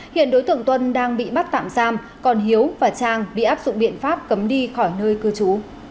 hiện đối tượng tuân đang bị bắt tạm giam còn hiếu và trang bị áp dụng biện pháp cấm đi khỏi nơi cư trú